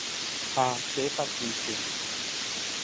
Ha che Patricio.